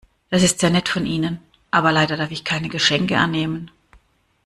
Das ist sehr nett von Ihnen, aber leider darf ich keine Geschenke annehmen.